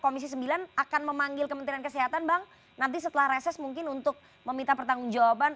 komisi sembilan akan memanggil kementerian kesehatan bang nanti setelah reses mungkin untuk meminta pertanggung jawaban